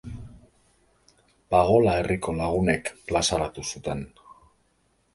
Pagola herriko lagunek plazaratu zuten.